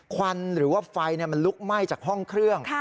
ควันหรือว่าไฟมันลุกไหม้จากห้องเครื่อง